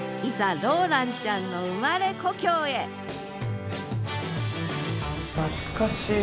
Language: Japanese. ローランちゃんの生まれ故郷へ懐かしい。